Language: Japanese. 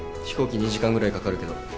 飛行機２時間ぐらいかかるけど。